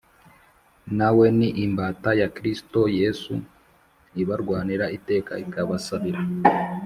na we ni imbata ya Kristo Yesu ibarwanira iteka ikabasabira